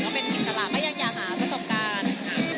เป็นอิสระก็ยังอยากหาประสบการณ์